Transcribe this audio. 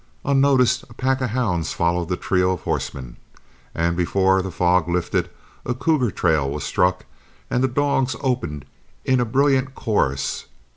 Unnoticed, a pack of hounds followed the trio of horsemen, and before the fog lifted a cougar trail was struck and the dogs opened in a brilliant chorus.